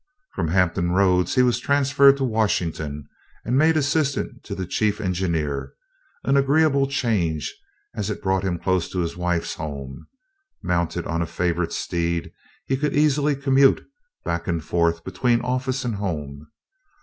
From Hampton Roads he was transferred to Washington, and made assistant to the chief engineer an agreeable change as it brought him close to his wife's home. Mounted on a favorite steed he could easily "commute" back and forth between office and home.